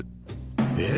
えっ？